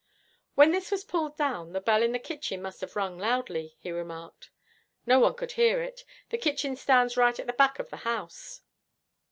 'When this was pulled down, the bell in the kitchen must have rung loudly,' he remarked. 'No one could hear it. The kitchen stands right at the back of the house.'